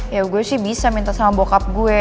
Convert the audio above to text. ya gue sih bisa minta sama bokap gue